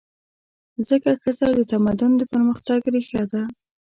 ځکه ښځه د تمدن د پرمختګ ریښه ده.